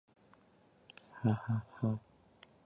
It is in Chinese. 有亲属从国外回来